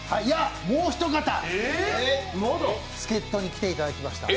もうひと方、助っとに来ていただきました。